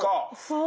そう！